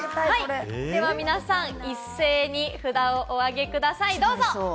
では皆さん、一斉に札をお上げください、どうぞ。